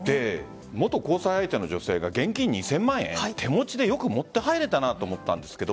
元交際相手の女性が現金２０００万円手持ちでよく持って入れたなと思ったんですが。